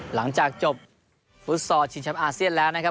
หลังจากจบฟุตซอลชิงแชมป์อาเซียนแล้วนะครับ